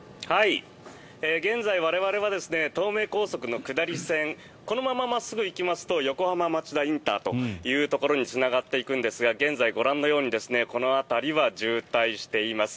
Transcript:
現在、我々は東名高速の下り線このまま真っすぐ行きますと横浜町田ＩＣというところにつながっていくんですが現在、ご覧のようにこの辺りは渋滞しています。